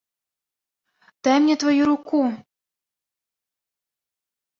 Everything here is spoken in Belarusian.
Дай мне тваю руку!